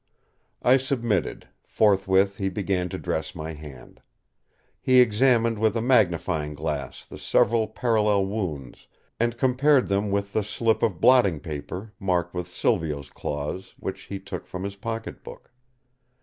I submitted; forthwith he began to dress my hand. He examined with a magnifying glass the several parallel wounds, and compared them with the slip of blotting paper, marked with Silvio's claws, which he took from his pocket book.